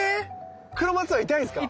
⁉クロマツは痛いんですか？